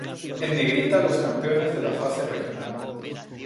En negrita los campeones de la fase regional.